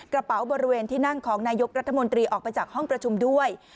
กระเป๋าบริเวณที่นั่งของนายกรัฐมนตรีออกไปจากห้องประชุมด้วย